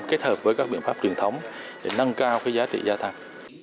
kết hợp với các biện pháp truyền thống để nâng cao giá trị gia tăng